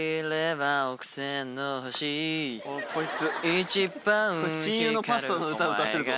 こいつ親友のパスタの歌歌ってるぞ。